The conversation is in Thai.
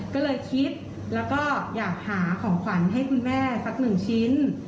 ก็เลยคิดแล้วก็อยากหาของขวัญให้คุณแม่สักหนึ่งชิ้น